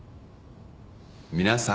皆さん。